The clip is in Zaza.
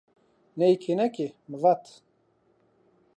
Ney kênekê, mi vat